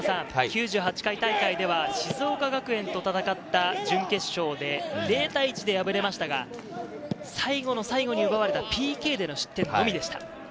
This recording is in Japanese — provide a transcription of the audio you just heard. ９８回大会では静岡学園と戦った準決勝で０対１で敗れましたが、最後の最後に奪われたＰＫでの失点のみでした。